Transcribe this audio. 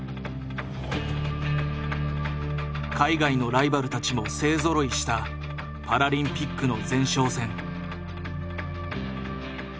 海外のライバルたちも勢ぞろいしたパラリンピックの前哨戦。